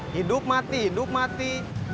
hidup mati hidup mati